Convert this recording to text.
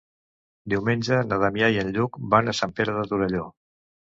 Diumenge na Damià i en Lluc van a Sant Pere de Torelló.